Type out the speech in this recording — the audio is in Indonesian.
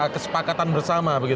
kesepakatan bersama begitu